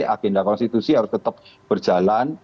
agenda konstitusi harus tetap berjalan